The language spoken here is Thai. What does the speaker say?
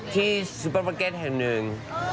ที่ซูเปอร์ประเก็ตแห่งหนึ่ง